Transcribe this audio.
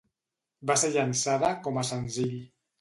Va ser llançada com a senzill.